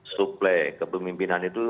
suple kebemimpinan itu